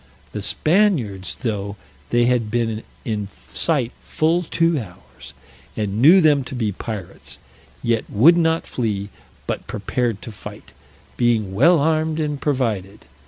The Spaniards, though they had been in sight full two hours, and knew them to be pirates, yet would not flee, but prepared to fight, being well armed, and provided.